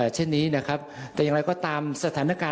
เช่นนี้นะครับแต่อย่างไรก็ตามสถานการณ์